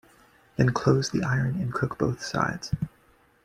Then close the iron and cook both sides.